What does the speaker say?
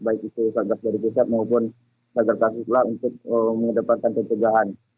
baik itu setgas dari pesep maupun setgas dari pesep untuk mendapatkan pencegahan